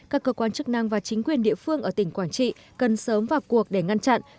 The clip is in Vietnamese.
các cơ quan chức năng và chính quyền địa phương ở tỉnh quảng trị cần sớm vào cuộc để ngăn chặn